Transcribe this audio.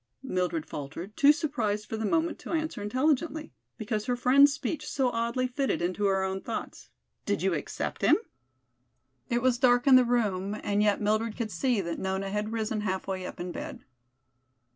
Mildred faltered, too surprised for the moment to answer intelligently, because her friend's speech so oddly fitted into her own thoughts. "Did you accept him?" It was dark in the room, and yet Mildred could see that Nona had risen half way up in bed.